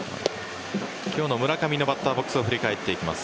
今日の村上のバッターボックスを振り返っていきます。